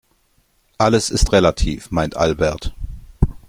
Alles ist relativ, meint Albert.